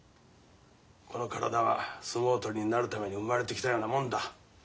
この体は相撲取りになるために生まれてきたようなもんだ。